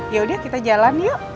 yaudah kita jalan yuk